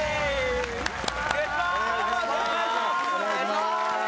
お願いします